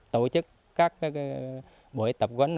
tổ chức các buổi tập quấn